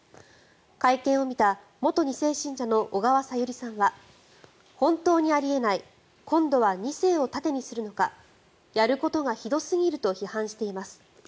会見を見た元２世信者の小川さゆりさんは本当にあり得ない今度は２世を盾にするのかやることがひどすぎると批判しています。